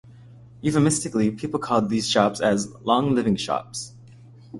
Euphemistically, people call these shops as "long-living shops".